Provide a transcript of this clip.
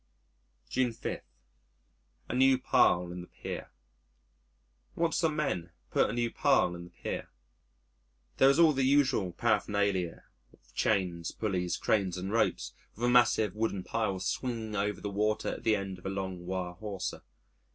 June 5. A New Pile in the Pier Watched some men put a new pile in the pier. There was all the usual paraphernalia of chains, pulleys, cranes, and ropes, with a massive wooden pile swinging over the water at the end of a long wire hawser.